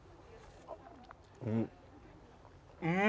うん！